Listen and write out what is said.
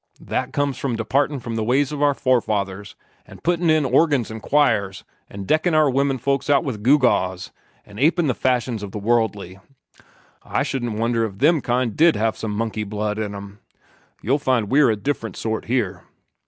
That comes from departin' from the ways of our forefathers, an puttin' in organs an' choirs, an' deckin' our women folks out with gewgaws, an' apin' the fashions of the worldly. I shouldn't wonder if them kind did have some monkey blood in 'em. You'll find we're a different sort here."